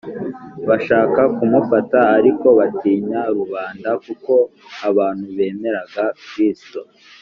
’ ‘bashaka kumufata ariko batinya rubanda,’ kuko abantu bemeraga kristo